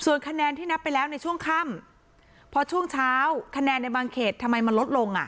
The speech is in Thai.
คะแนนที่นับไปแล้วในช่วงค่ำพอช่วงเช้าคะแนนในบางเขตทำไมมันลดลงอ่ะ